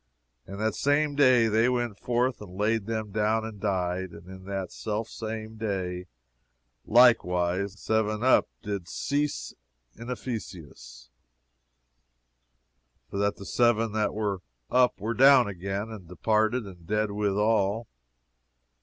And that same day went they forth and laid them down and died. And in that self same day, likewise, the Seven up did cease in Ephesus, for that the Seven that were up were down again, and departed and dead withal.